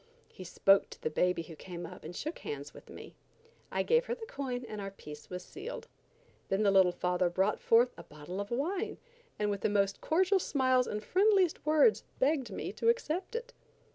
He spoke to the baby who came up and shook hands with me. I gave her the coin and our peace was sealed. Then the little father brought forth a bottle of wine, and with the most cordial smiles and friendliest words, begged me to accept it.